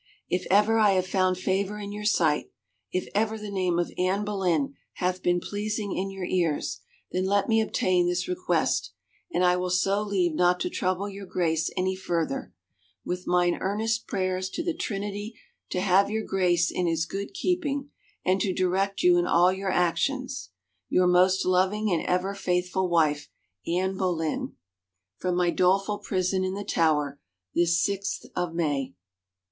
If ever I have found favor in your sight; if ever the name of Anne Boleyn hath been pleasing in your ears, then let me obtain this re quest ; and I will so leave not to trouble your Grace any further ; with mine earnest prayers to the Trinity to have your Grace in his good keeping, and to direct you in all your actions, "Your most loving and ever faithful wife, "Anne Boleyn. "From my doleful prison in the Tower, this sixth of May."